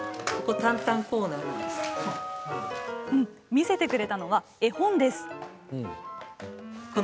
見せてくれたのは絵本です。